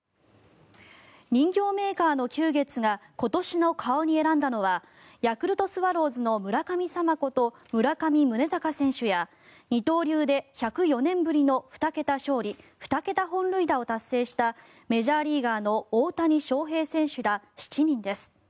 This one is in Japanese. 人形メーカーの久月が今年の顔に選んだのはヤクルトスワローズの村神様こと村上宗隆選手や二刀流で１０４年ぶりの２桁勝利２桁本塁打を達成したメジャーリーガーの大谷翔平選手ら７人です。